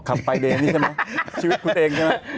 ขับไปเดย์นี่ใช่ไหมชีวิตคุณเองใช่ไหม